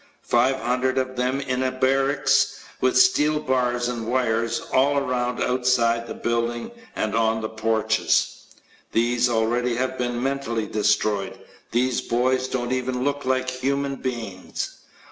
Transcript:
Five hundred of them in a barracks with steel bars and wires all around outside the buildings and on the porches. These already have been mentally destroyed. These boys don't even look like human beings.